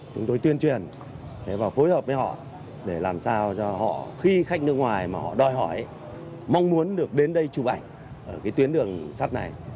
chúng tôi tuyên truyền và phối hợp với họ để làm sao cho họ khi khách nước ngoài mà họ đòi hỏi mong muốn được đến đây chụp ảnh ở cái tuyến đường sắt này